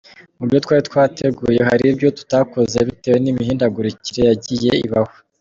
Mu byo twari twateguye hari ibyo tutakoze bitewe n’imihindagurikire yagiye ibaho.